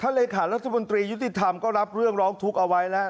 เลขารัฐมนตรียุติธรรมก็รับเรื่องร้องทุกข์เอาไว้แล้ว